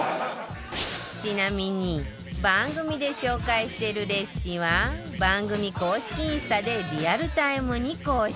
ちなみに番組で紹介してるレシピは番組公式インスタでリアルタイムに更新中